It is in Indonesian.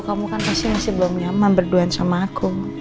kamu kan pasti masih belum nyaman berduaan sama aku